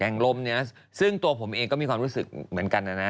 ลมเนี่ยนะซึ่งตัวผมเองก็มีความรู้สึกเหมือนกันนะนะ